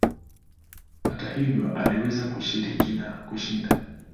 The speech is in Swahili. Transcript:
Hata hivyo aliweza kushiriki na kushinda.